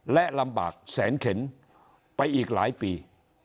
และลำบากแสนเข็นไปอีกหลายปี